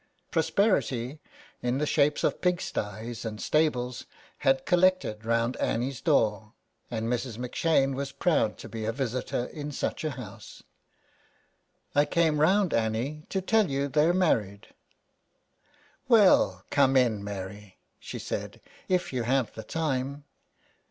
Prosperity in the shapes of pig styes and stables had collected round Annie's door, and Mrs. M'Shane was proud to be a visitor in such a house. *' I came round, Annie, to tell you they're married." " Well, come in, Mary," she said, '' if you have the time."